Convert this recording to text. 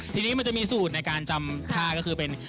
ทีนี้มันจะมีสูตรในการจำค่าก็คือเป็น